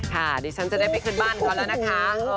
ดิฉันจะได้ไปขึ้นบ้านเขาแล้วนะคะ